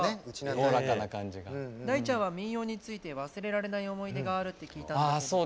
大ちゃんは民謡について忘れられない思い出があるって聞いたんだけど。